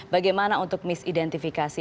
bagaimana untuk misidentifikasi